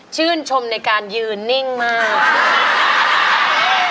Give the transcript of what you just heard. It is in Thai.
ชื่นชมในการยืนนิ่งมาก